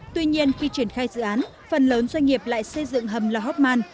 tuy nhiên khi triển khai dự án phần lớn doanh nghiệp lại xây dựng hầm lò hóc man